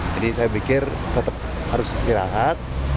jadi saya pikir tetap harus istirahat